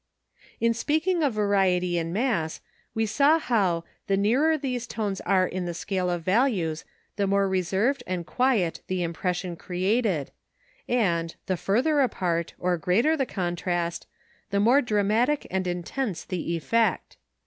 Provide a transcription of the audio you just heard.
In speaking of variety in mass we saw how the #nearer these tones are in the scale of values, the more reserved and quiet the impression created#, and the #further apart or greater the contrast, the more dramatic and intense the effect#.